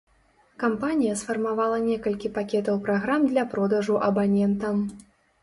Кампанія сфармавала некалькі пакетаў праграм для продажу абанентам.